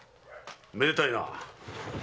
めでたいな。